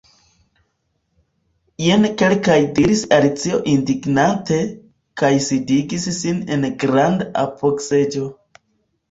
"Jen kelkaj " diris Alicio indignante, kaj sidigis sin en granda apogseĝo.